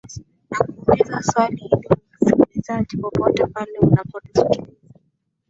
nakuuliza swali hili msikilizaji popote pale unapo tusikiliza